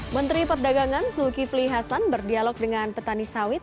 menteri perdagangan zulkifli hasan berdialog dengan petani sawit